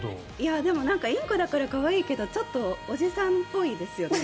でも、インコだから可愛いけどちょっとおじさんぽいですよね。